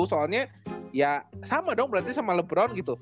soalnya ya sama dong berarti sama lebron gitu